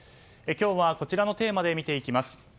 今日は、こちらのテーマで見ていきます。